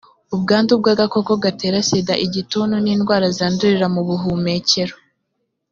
ubwandu bw agakoko gatera sida igituntu n indwara zandurira mu buhumekero